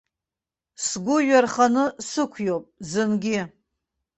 Сгәы ҩарханы сықәиоуп, зынгьы.